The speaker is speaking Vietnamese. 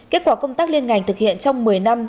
kết quả công tác liên ngành thực hiện trong một mươi năm